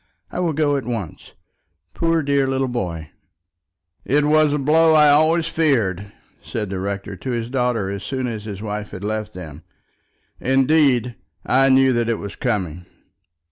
I will go at once. Poor dear little boy." "It was a blow I always feared," said the rector to his daughter as soon as his wife had left them. "Indeed, I knew that it was coming."